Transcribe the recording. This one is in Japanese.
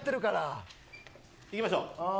いきましょう。